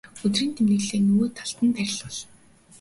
өдрийн тэмдэглэлээ нөгөө талд нь байрлуул.